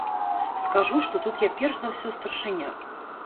Скажу, што тут я перш за ўсё старшыня.